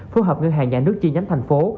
phối hợp ngân hàng nhà nước chi nhánh thành phố